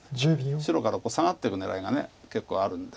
白からサガっていく狙いが結構あるんで。